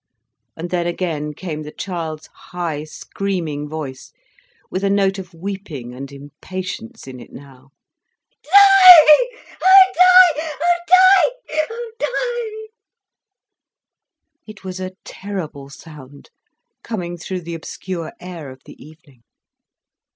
And then again came the child's high, screaming voice, with a note of weeping and impatience in it now: "Di—Oh Di—Oh Di—Di—!" It was a terrible sound, coming through the obscure air of the evening.